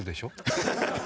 ハハハハ！